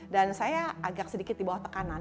dan saya agak sedikit di bawah tekanan